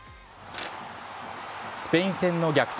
スペイン戦の逆転